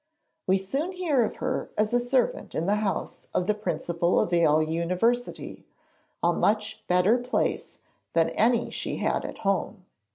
We soon hear of her as a servant in the house of the Principal of Yale University, a much better place than any she had at home.